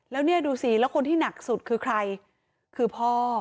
แล้วเนี่ยดูสิแล้วคนที่หนักสุดคือใครคือพ่อ